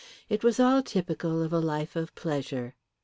It was all typical of a life of pleasure.